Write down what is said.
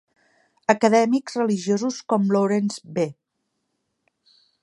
Acadèmics religiosos com Laurence B.